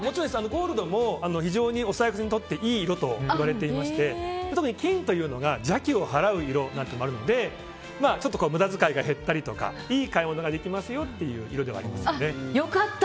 ゴールドも非常にお財布にとっていい色といわれていまして特に金というのが邪気を払う色というのもあるのでちょっと無駄遣いが減ったりとかいい買い物ができますよという色ではありますね。